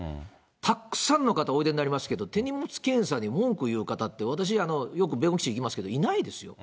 たくさんの方おいでになりますけど、手荷物検査に文句言う方って、私、よく米軍基地行きますけれどもいないですよ。